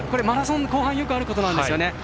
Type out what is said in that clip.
マラソン後半よくあることなんですよね。